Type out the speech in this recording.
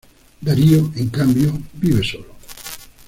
Darío, en cambio, vive solo.